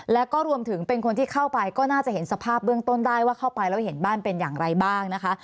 แล้วก็รวมถึงเป็นคนที่เข้าไปก็น่าจะเห็นสภาพเบื้องต้นได้ว่าเข้าไปแล้วเห็นบ้านเป็นอย่างไรบ้างนะคะ